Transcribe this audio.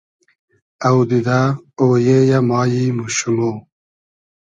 اودیدۂ ، اۉیې یۂ ، مایم و شومۉ